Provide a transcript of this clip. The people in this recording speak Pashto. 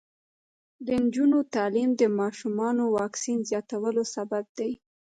د نجونو تعلیم د ماشومانو واکسین زیاتولو سبب دی.